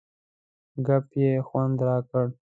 ګپ یې خوند را کړ.